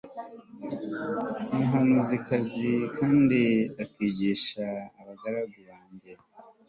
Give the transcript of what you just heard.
umuhanuzikazi kandi akigisha abagaragu banjye